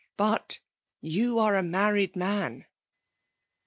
But you are a married man.